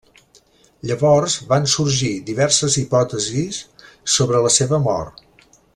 Llavors van sorgir diverses hipòtesis sobre la seva mort.